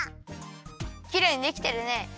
きれいにできてるね。